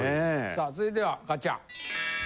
さあ続いては勝ちゃん。